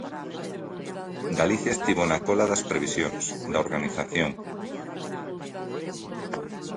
Galicia estivo na cola das previsións, da organización.